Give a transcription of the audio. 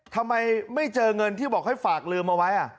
ทำไมไม่เจอเงินที่บอกให้ฝากลืมเอาไว้